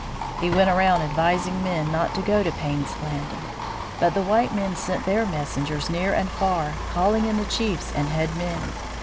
He went around advising men not to go to Payne's Landing. But the white men sent their messengers near and far, calling in the chiefs and head men.